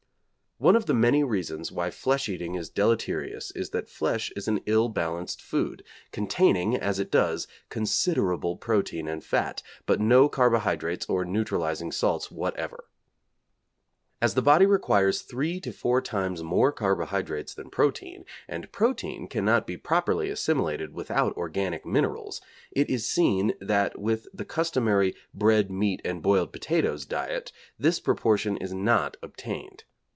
One of the many reasons why flesh eating is deleterious is that flesh is an ill balanced food, containing, as it does, considerable protein and fat, but no carbohydrates or neutralising salts whatever. As the body requires three to four times more carbohydrates than protein, and protein cannot be properly assimilated without organic minerals, it is seen that with the customary 'bread, meat and boiled potatoes' diet, this proportion is not obtained.